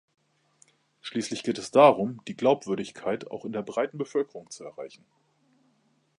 Schließlich geht es darum, die Glaubwürdigkeit auch in der breiten Bevölkerung zu erreichen.